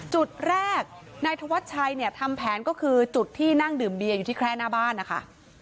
จุดแรกนายธวัชชัยเนี่ยทำแผนก็คือจุดที่นั่งดื่มเบียอยู่ที่แค่หน้าบ้านนะคะ